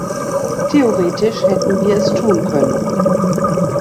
Theoretisch hätten wir es tun können.